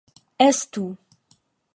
Estu!